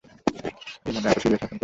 এজন্য এত সিরিয়াস আচরণ করছ?